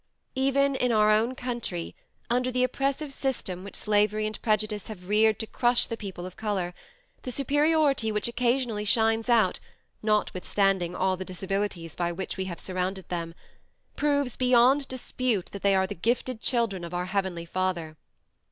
Even in our own country, under the oppressive system which slavery and prejudice have reared to crush the people of color, the superiority which occasionally shines out, notwithstanding all the disabilities by which we have surrounded them, proves beyond dispute that they are the gifted children of our Heavenly Father.